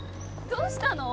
どうしたの？